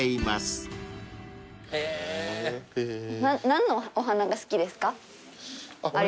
何のお花が好きですか？